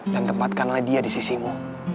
dan tempatkanlah dia di sisimu